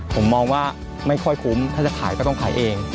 ผมมองว่าไม่ค่อยคุ้มถ้าจะขายก็ต้องขายเอง